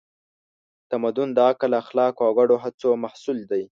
تمدن د عقل، اخلاقو او ګډو هڅو محصول دی.